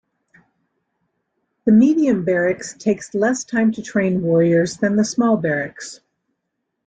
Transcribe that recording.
The medium barracks takes less time to train warriors than the small barracks.